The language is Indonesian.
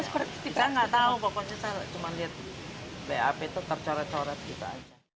saya gak tau pokoknya saya cuma lihat bap itu tercoret coret gitu aja